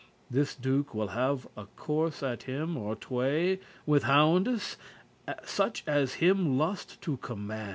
This Duke will have a course at him or tway With houndes, such as him lust* to command.